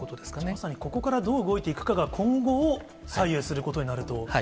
まさにここからどう動いていくかが、今後を左右することになると。